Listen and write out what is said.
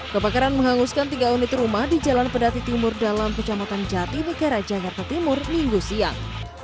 kebakaran menghanguskan tiga unit rumah di jalan pedati timur dalam kecamatan jati negara jakarta timur minggu siang